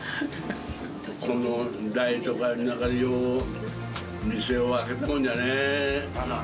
この大都会の中でよう店を開けたもんじゃね。